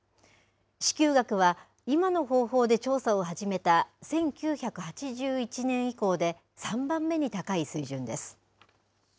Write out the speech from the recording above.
支給額は今の方法で調査を始めた１９８１年以降で３番目に高い水準です。